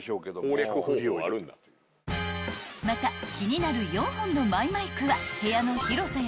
［また気になる４本のマイマイクは］